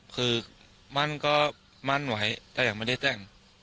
คือมั่นก็มั่นไว้แต่ยังไม่ได้แต่ง